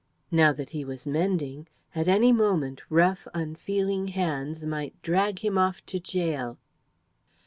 Now that he was mending, at any moment rough, unfeeling hands might drag him off to gaol.